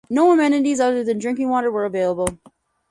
No amenities other than drinking water were available.